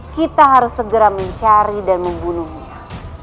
kita harus segera mencari dan membunuhnya